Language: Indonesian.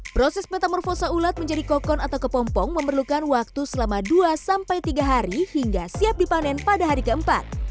proses metamorfosa ulat menjadi kokon atau kepompong memerlukan waktu selama dua sampai tiga hari hingga siap dipanen pada hari keempat